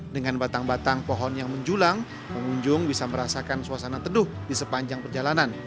dengan batang batang pohon yang menjulang pengunjung bisa merasakan suasana teduh di sepanjang perjalanan